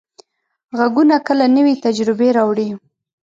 غږونه کله نوې تجربې راوړي.